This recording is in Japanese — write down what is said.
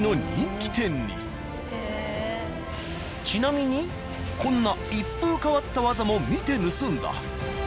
ちなみにこんな一風変わった技も見て盗んだ。